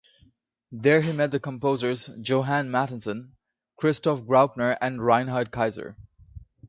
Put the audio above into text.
There he met the composers Johann Mattheson, Christoph Graupner and Reinhard Keiser.